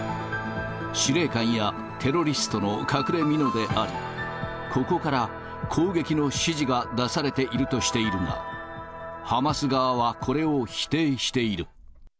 司令官やテロリストの隠れみのであり、ここから攻撃の指示が出されているとしているが、ハマス側はこれを否定している。